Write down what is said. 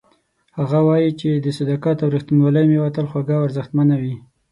هغه وایي چې د صداقت او ریښتینولۍ میوه تل خوږه او ارزښتمنه وي